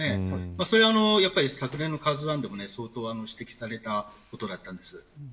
それは昨年のＫＡＺＵ１でも相当、指摘されたことでした。